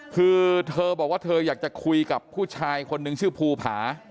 คือเธอบอกว่าเธออยากจะคุยกับผู้ชายคนนึงชื่อภูผา